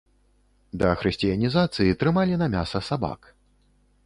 Да хрысціянізацыі трымалі на мяса сабак.